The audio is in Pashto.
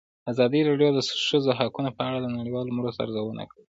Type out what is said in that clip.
ازادي راډیو د د ښځو حقونه په اړه د نړیوالو مرستو ارزونه کړې.